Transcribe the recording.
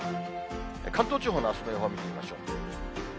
関東地方のあすの予報、見てみましょう。